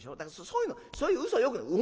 そういうのそういう嘘はよくない」。